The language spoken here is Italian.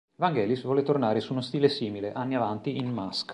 Vangelis volle tornare su uno stile simile anni avanti in "Mask".